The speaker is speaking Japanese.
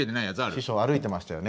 師匠歩いてましたよね？